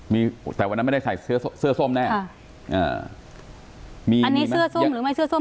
มีแต่วันนั้นไม่ได้ใส่เสื้อเสื้อส้มแน่อ่ามีอันนี้เสื้อส้มหรือไม่เสื้อส้ม